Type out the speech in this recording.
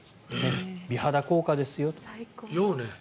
美肌効果ですよ。